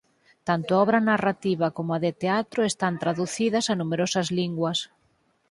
Tanto a obra narrativa como a de teatro están traducidas a numerosas linguas.